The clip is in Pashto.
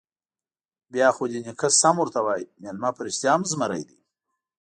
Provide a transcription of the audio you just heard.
_بيا خو دې نيکه سم ورته وايي، مېلمه په رښتيا هم زمری دی.